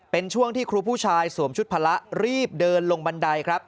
เป็นช่วงที่ครูผู้ชายสวมชุดพละรีบเดินลงบันไดครับ